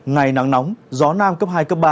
ngày nắng nóng gió nam cấp hai ba